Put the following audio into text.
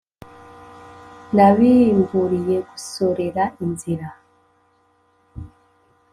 nabimburiye gusorera inzira